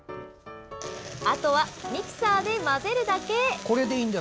あとはミキサーで混ぜるだけ。